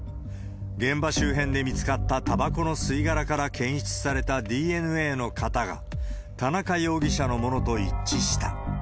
現場周辺で見つかったたばこの吸い殻から検出されたＤＮＡの型が田中容疑者のものと一致した。